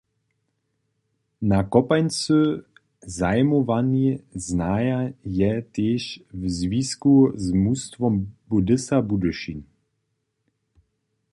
Na kopańcy zajimowani znaja je tež w zwisku z mustwom Budissa Budyšin.